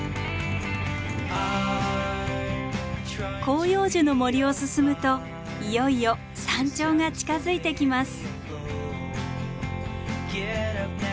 広葉樹の森を進むといよいよ山頂が近づいてきます。